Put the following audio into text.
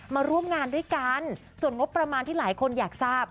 มาร่วมงานด้วยกันส่วนงบประมาณที่หลายคนอยากทราบ